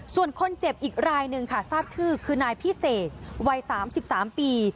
ส่วนคนเจ็บอีกรายหนึ่งค่ะทราบชื่อคือนายพิเศษวัย๓๓ปี